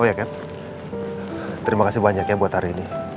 oh ya kat terimakasih banyaknya buat hari ini